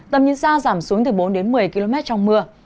tầm nhìn xa giảm xuống từ bốn đến một mươi km trong mưa